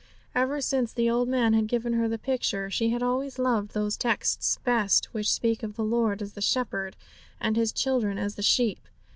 Ever since the old man had given her the picture, she had always loved those texts the best which speak of the Lord as the Shepherd and His children as the sheep.